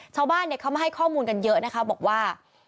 ชาวบ้านเขามาให้ข้อมูลกันเยอะนะคะบอกว่า